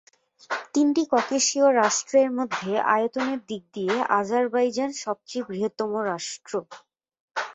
তিনটি ককেশীয় রাষ্ট্রের মধ্যে আয়তনের দিক দিয়ে আজারবাইজান সবচেয়ে বৃহত্তম রাষ্ট্র।